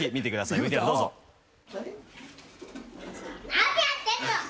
「何やってんの？